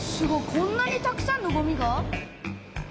こんなにたくさんのごみが？